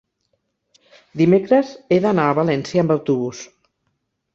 Dimecres he d'anar a València amb autobús.